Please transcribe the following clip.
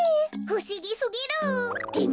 ふしぎすぎる！って